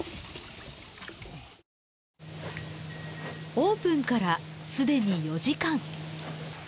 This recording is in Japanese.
オープンからすでに４時間。